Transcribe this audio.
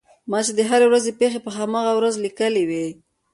ما چې د هرې ورځې پېښې په هماغه ورځ لیکلې وې.